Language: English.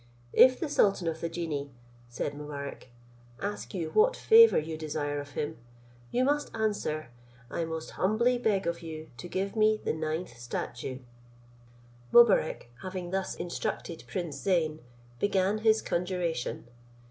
If the sultan of the genii," added Mobarec, "ask you what favour you desire of him, you must answer, 'I most humbly beg of you to give me the ninth statue.'" Mobarec, having thus instructed prince Zeyn, began his conjuration.